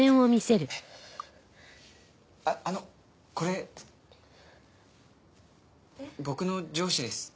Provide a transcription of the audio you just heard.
あっあのこれ僕の上司です。